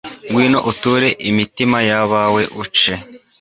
ngwino uture imitima y'abawe, uce